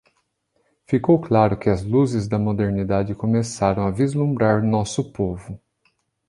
Ficou claro que as luzes da modernidade começaram a vislumbrar nosso povo.